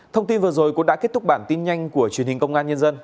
thông tin vừa rồi cũng đã kết thúc bản tin nhanh của truyền hình công an nhân dân